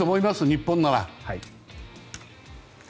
日本なら。